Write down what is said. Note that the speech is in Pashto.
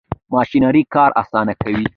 ماشینري کار اسانه کوي.